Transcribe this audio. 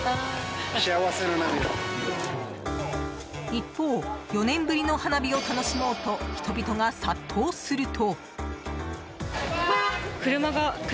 一方、４年ぶりの花火を楽しもうと人々が殺到すると。